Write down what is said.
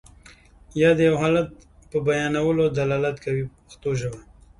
یا د یو حالت په بیانولو دلالت کوي په پښتو ژبه.